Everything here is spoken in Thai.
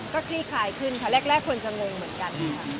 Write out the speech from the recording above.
ก็คลี่งคายขึ้นงานแรกคนจะมึงเหมือนกัน